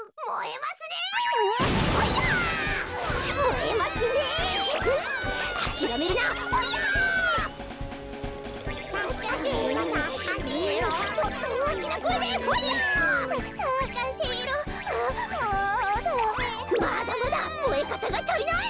まだまだもえかたがたりない！